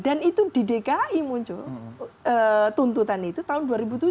dan itu di dki muncul tuntutan itu tahun dua ribu tujuh